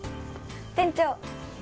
店長。